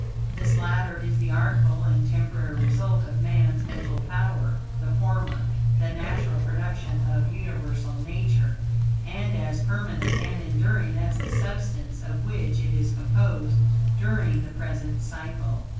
This latter is the artful and temporary result of man's mental power; the former, the natural production of universal Nature, and as permanent and enduring as the substance of which it is composed, DURING THE PRESENT CYCLE.